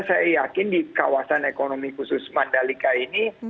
saya yakin di kawasan ekonomi khusus mandalika ini